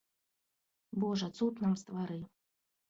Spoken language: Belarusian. Божа, цуд нам ствары.